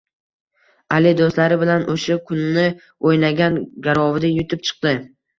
Ali do`stlari bilan o`sha kuni o`ynagan garovida yutib chiqdi